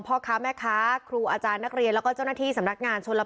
พ่อค้าแม่ค้าครูอาจารย์นักเรียนแล้วก็เจ้าหน้าที่สำนักงานชนละ